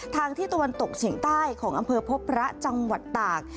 ที่ตะวันตกเฉียงใต้ของอำเภอพบพระจังหวัดตาก